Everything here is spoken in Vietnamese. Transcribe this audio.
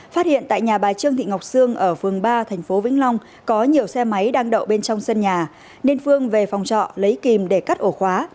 phát hiện tại nhà bài trương thị ngọc sương ở phường ba tp vĩnh long có nhiều xe máy đang đậu bên trong sân nhà